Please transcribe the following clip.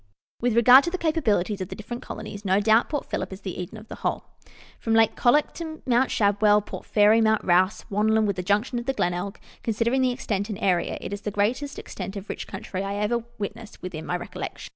With regard to the capabilities of the different colonies, no doubt Port Phillip is the Eden of the whole. From Lake Colac to Mount Shadwell, Port Fairy, Mount Rouse, Wannon, with the junction of the Glenelg, considering the extent tind area, it is the greatest extent of rich country I ever witnessed within my recollection.